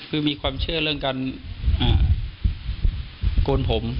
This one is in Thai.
คือมีความเชื่อเรื่องกันกร้นผมของเรื่องกร้อนสกัด